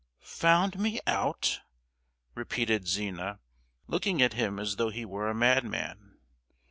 "Found me out?" repeated Zina, looking at him as though he were a madman.